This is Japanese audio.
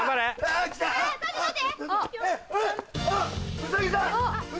ウサギさん！